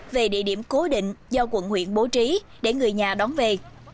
về địa điểm cố định do quận huyện bố trí để người nhà đón về